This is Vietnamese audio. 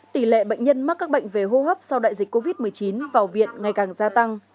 tỷ lệ bệnh nhân mắc các bệnh về hô hấp sau đại dịch covid một mươi chín vào viện ngày càng gia tăng